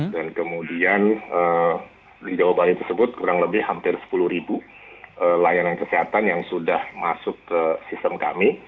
dan kemudian di jawa bali tersebut kurang lebih hampir sepuluh ribu layanan kesehatan yang sudah masuk ke sistem kami